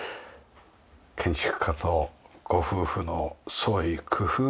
建築家とご夫婦の創意工夫の数々。